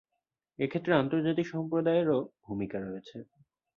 এ ক্ষেত্রে আন্তর্জাতিক সম্প্রদায়েরও ভূমিকা রয়েছে।